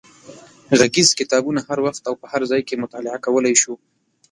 غږیز کتابونه هر وخت او په هر ځای کې مطالعه کولای شو.